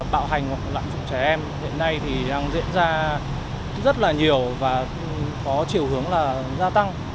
bạo hành một loại phụ trẻ em hiện nay thì đang diễn ra rất là nhiều và có chiều hướng là gia tăng